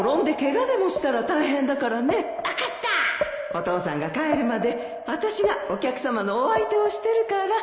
お父さんが帰るまで私がお客さまのお相手をしてるから